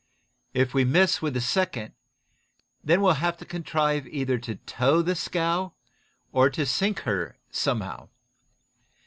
"If we miss with the second, then we'll have to contrive either to tow the scow, or to sink her somehow.